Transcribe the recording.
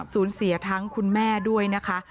สูญเสียทั้งคุณแม่ด้วยนะคะ